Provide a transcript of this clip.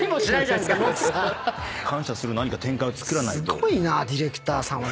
すごいなディレクターさんは。